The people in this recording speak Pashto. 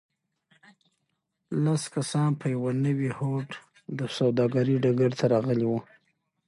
لس کسان په یوه نوي هوډ د سوداګرۍ ډګر ته راغلي وو.